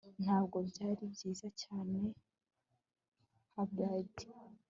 Ntabwo byari byiza cyane Hybrid